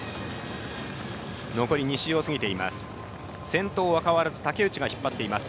残り２周を過ぎています。